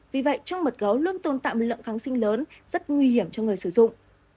vì vậy trong mật gấu luôn tồn tạm lượng kháng sinh lớn rất nguy hiểm cho người sử dụng